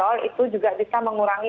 tol itu juga bisa mengurangi